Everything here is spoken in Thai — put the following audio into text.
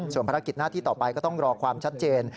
ส่วนภารกิจหน้าที่ต่อไปก็ต้องรอความชัดเจน